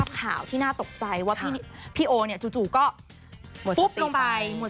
ส่งมาให้โอโนเฟอร์เรเวอร์